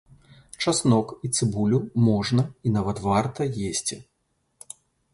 Часнок і цыбулю можна і нават варта есці.